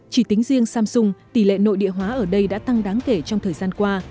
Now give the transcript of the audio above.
chỉ tính riêng samsung tỷ lệ nội địa hóa ở đây đã tăng đáng kể trong thời gian qua